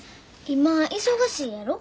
今忙しいやろ。